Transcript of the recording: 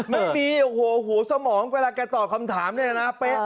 มันปีหัวหัวหัวสมองเวลาแกตอบคำถามเนี่ยนะ